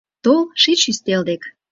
— Тол, шич ӱстел дек.